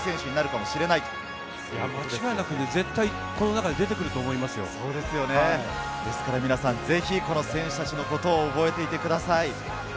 間違いなくこの中から出てぜひ選手たちのことを覚えていてください。